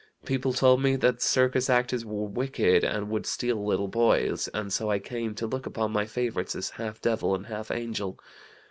People told me that circus actors were wicked, and would steal little boys, and so I came to look upon my favorites as half devil and half angel.